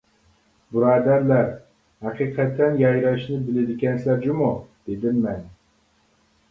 -بۇرادەرلەر ھەقىقەتەن يايراشنى بىلىدىكەنسىلەر جۇمۇ، -دېدىم مەن.